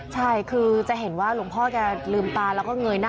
ใช่คือจะเห็นว่าหลวงพ่อแกลืมตาแล้วก็เงยหน้า